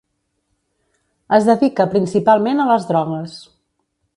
Es dedica principalment a les drogues.